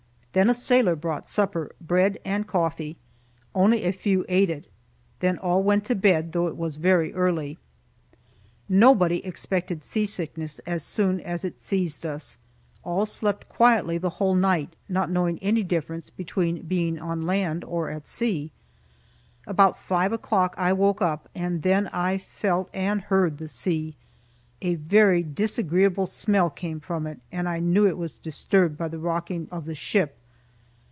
Then a sailor brought supper bread and coffee. Only a few ate it. Then all went to bed, though it was very early. Nobody expected seasickness as soon as it seized us. All slept quietly the whole night, not knowing any difference between being on land or at sea. About five o'clock I woke up, and then I felt and heard the sea. A very disagreeable smell came from it, and I knew it was disturbed by the rocking of the ship.